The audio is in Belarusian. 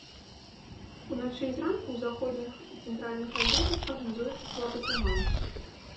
Уначы і зранку ў заходніх і цэнтральных раёнах прагназуецца слабы туман.